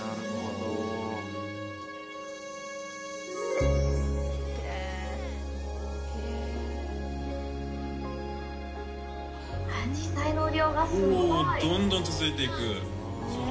どんどん続いていく。